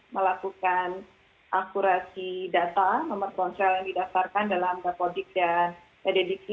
melakukan akurasi data nomor konser yang didasarkan dalam dapodik dan ddp